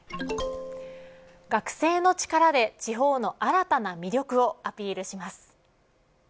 学生の力で地方の新たな魅力をアピールします。